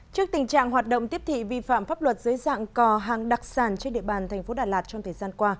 trước tình trạng hoạt động tiếp thị vi phạm pháp luật dưới dạng cò hàng đặc sản trên địa bàn thành phố đà lạt trong thời gian qua